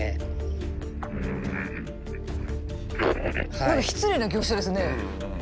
こちらは何か失礼な業者ですね。